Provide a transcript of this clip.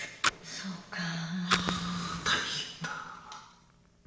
そっか。は大変だ。